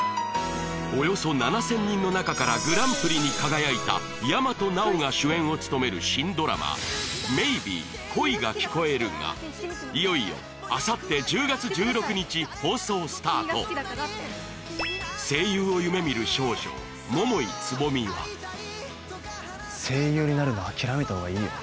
およそ７０００人のなかからグランプリに輝いた大和奈央が主演を務める新ドラマ「Ｍａｙｂｅ恋が聴こえる」がいよいよあさって１０月１６日放送スタート声優を夢みる少女桃井蕾未が声優になるのは諦めたほうがいいよ